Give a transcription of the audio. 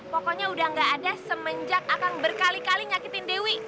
pokoknya udah gak ada semenjak akan berkali kali nyakitin dewi